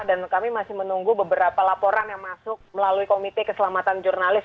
dan kami masih menunggu beberapa laporan yang masuk melalui komite keselamatan jurnalis